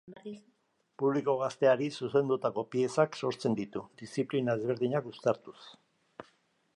Publiko gazteari zuzendutako piezak sortzen ditu, diziplina ezberdinak uztartuz.